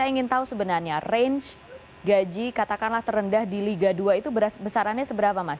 saya ingin tahu sebenarnya range gaji katakanlah terendah di liga dua itu besarannya seberapa mas